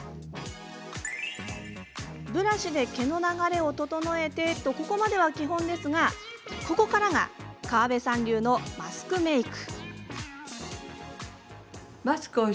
ブラシで毛の流れを整えてとここまでは基本ですがここからが川邉さん流のマスクメイク！